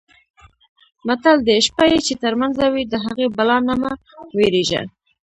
متل دی: شپه یې چې ترمنځه وي د هغې بلا نه مه وېرېږه.